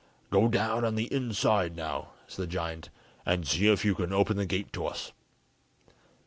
"Go down on the inside now," said the giant, "and see if you can open the gate to us."